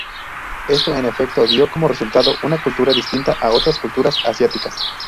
Esto en efecto dio como resultado una cultura distinta a otras culturas asiáticas.